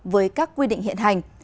với các quy định hiện hành